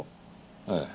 ええ。